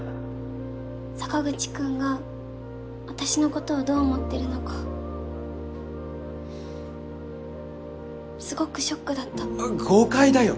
坂口君が私のことをどう思ってるのかすごくショックだった誤解だよ